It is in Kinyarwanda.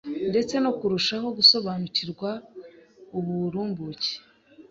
ndetse no kurushaho gusobanukirwa uburumbuke